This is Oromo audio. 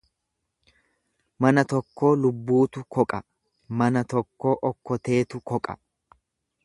Mana tokkoo lubbuutu koqa mana tokkoo okkoteetu koqa.